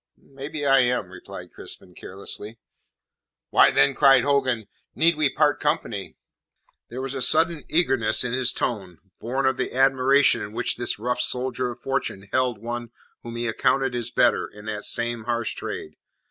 "Maybe I am," replied Crispin carelessly. "Why, then," cried Hogan, "need we part company?" There was a sudden eagerness in his tone, born of the admiration in which this rough soldier of fortune held one whom he accounted his better in that same harsh trade.